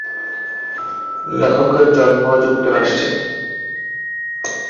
লেখকের জন্ম যুক্তরাষ্ট্রে।